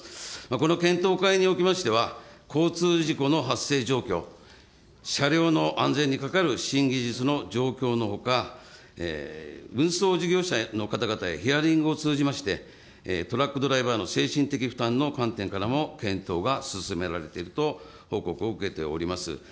この検討会におきましては、交通事故の発生状況、車両の安全にかかる新技術の状況のほか、運送事業者の方々へヒアリングを通じまして、トラックドライバーの精神的負担の観点からも検討が進められていると報告を受けております。